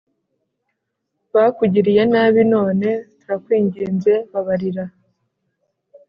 bakugiriye nabi None turakwinginze babarira